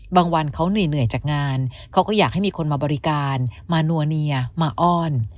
วันเขาเหนื่อยจากงานเขาก็อยากให้มีคนมาบริการมานัวเนียมาอ้อน